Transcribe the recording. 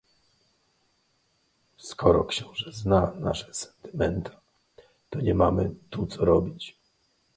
"Skoro książe zna nasze sentymenta, to nie mamy tu co robić!"